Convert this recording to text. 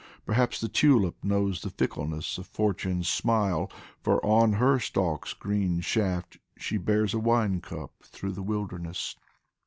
Perhaps the tulip knows the fickleness Of Fortune's smile, for on her stalk's green shaft She bears a wine cup through the wilderness.